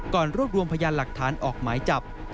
รวบรวมพยานหลักฐานออกหมายจับ